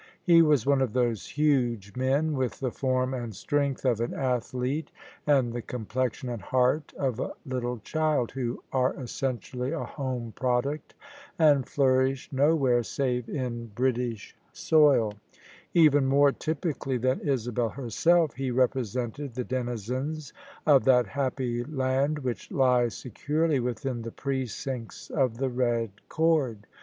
He was one of diose huge men, with the form and strength of an adilete and the complexion and heart of a little d)ild» who are essentially a hQmei>roduct, and flourish nowhere save in British soiL Even more typically than Isabel herself^ he rep r esented the denizens of that happy land which lies se* curdy within the precincts of the red cord.